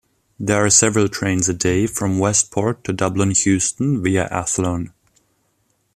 There are several trains a day from Westport to Dublin Heuston via Athlone.